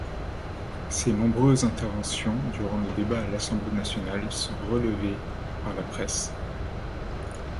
Ses nombreuses interventions durant le débat à l'Assemblée nationale sont relevées par la presse.